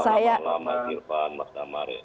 selamat malam pak irvan pak damar